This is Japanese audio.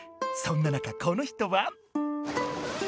そんな中この人は？